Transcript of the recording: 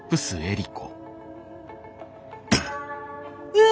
うわ！